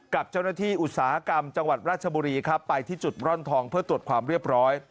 กับเจ้าหน้าที่อุตสาหกรรมจังหวัดราชบุรีครับไปที่จุดร่อนทองเพื่อตรวจความเรียบร้อย